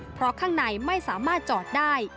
เพราะข้างในไม่สามารถจอดได้